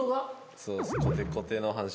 そうです。